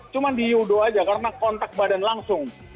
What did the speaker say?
cuma di yudo aja karena kontak badan langsung